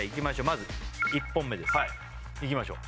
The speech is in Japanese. まず１本目ですいきましょう